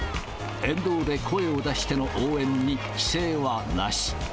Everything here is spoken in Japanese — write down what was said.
沿道で声を出しての応援に規制はなし。